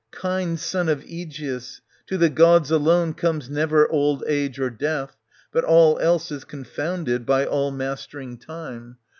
Kind son of Aegeus, to the gods alone comes never old age or death, but all else is confounded by all mastering time.